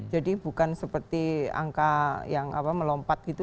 jadi bukan seperti angka yang melompat gitu